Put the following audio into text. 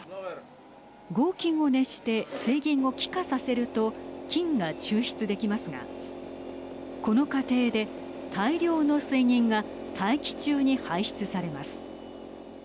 合金を熱して水銀を気化させると金が抽出できますがこの過程で大量の水銀が大気中に排出されます。